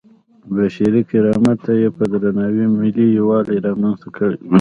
بشري کرامت ته یې په درناوي ملي یووالی رامنځته کړی.